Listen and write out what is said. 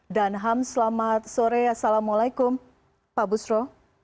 dan ham selamat sore assalamualaikum pak busro